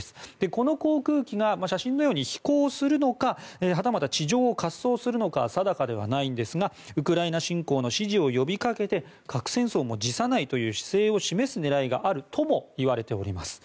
この航空機が写真のように飛行するのかはたまた地上を滑走するのかは定かではないんですがウクライナ侵攻の支持を呼びかけて核戦争も辞さないという姿勢を示す狙いがあるともいわれています。